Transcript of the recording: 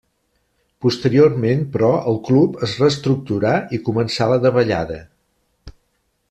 Posteriorment però, el club es reestructurà i començà la davallada.